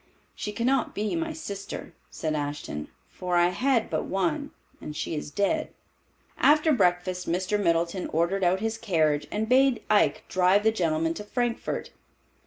"She cannot be my sister," said Ashton, "for I had but one, and she is dead." After breakfast Mr. Middleton ordered out his carriage and bade Ike drive the gentlemen to Frankfort.